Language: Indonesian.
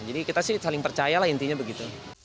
jadi kita sih saling percaya lah intinya begitu